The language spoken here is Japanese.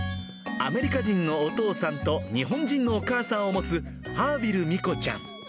アメリカ人のお父さんと日本人のお母さんを持つ、ハーヴィルみこちゃん。